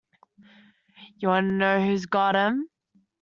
You want to know who's got 'em?